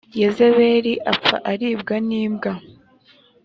yezebeli apfa aribwa n’imbwa